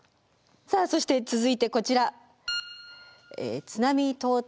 さあそして続いてこちら。